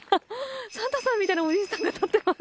サンタさんみたいなおじいさんが立ってます。